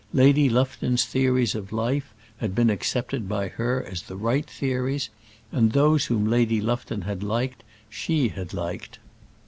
Lady Lufton's theories of life had been accepted by her as the right theories, and those whom Lady Lufton had liked she had liked.